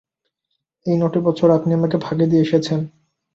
এই নটি বছর আপনি আমাকে ফাঁকি দিয়ে এসেছেন।